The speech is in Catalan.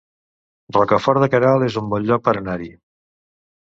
Rocafort de Queralt es un bon lloc per anar-hi